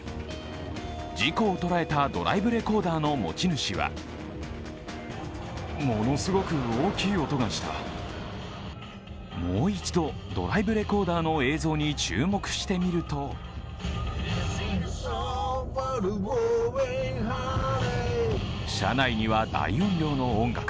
事故を捉えたドライブレコーダーの持ち主はもう一度、ドライブレコーダーの映像に注目してみると車内には大音量の音楽